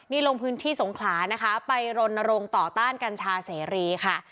นี่ลงพื้นที่สงขลานะคะไปรณรงค์ต่อต้านกัญชาเสรีค่ะ